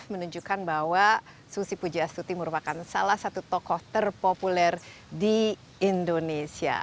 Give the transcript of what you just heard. menunjukkan bahwa susi pujastuti merupakan salah satu tokoh terpopuler di indonesia